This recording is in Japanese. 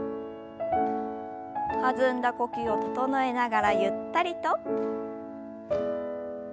弾んだ呼吸を整えながらゆったりと。